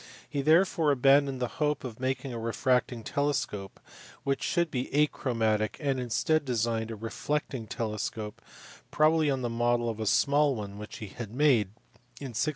He therefore abandoned the hope of making a refracting telescope which should be achromatic, and instead designed a reflecting telescope, probably on the model of a small one which he had made in 1668.